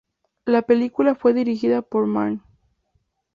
La película fue dirigida por Mann.